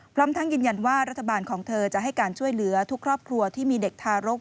พร้อมทั้งยืนยันว่ารัฐบาลของเธอจะให้การช่วยเหลือทุกครอบครัวที่มีเด็กทารก